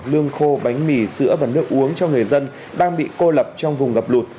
lương khô bánh mì sữa và nước uống cho người dân đang bị cô lập trong vùng ngập lụt